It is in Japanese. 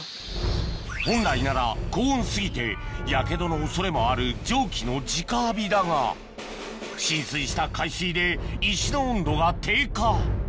本来なら高温過ぎてやけどの恐れもある蒸気のじか浴びだが浸水した海水で石の温度が低下